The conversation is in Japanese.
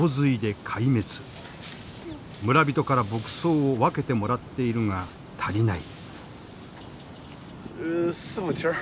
村人から牧草を分けてもらっているが足りない。